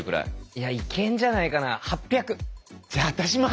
いやいけんじゃないかな。